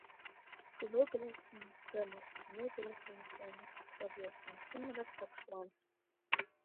Лыбла сым-сымра, лыбла сым-сымра, лыбла сым-сымра сҭаԥшуан.